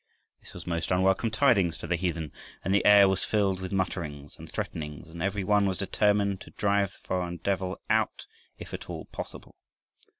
This was most unwelcome tidings to the heathen, and the air was filled with mutterings and threatenings, and every one was determined to drive the foreign devil out if at all possible.